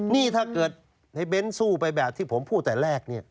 นี่ถ้าเกิดในเบ้นสู้ไปแบบที่ผมพูดแต่แรกเนี่ย